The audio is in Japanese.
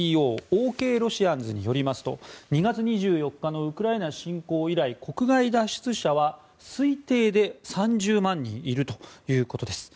ロシアンズによりますと２月２４日のウクライナ侵攻によりまして国外脱出者は推定で３０万人いるということです。